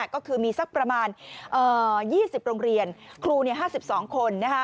ก็คือมีสักประมาณ๒๐โรงเรียนครู๕๒คน